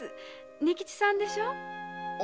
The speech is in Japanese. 仁吉さんでしょう。